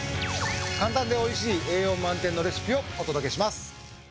簡単で美味しい栄養満点のレシピをお届けします。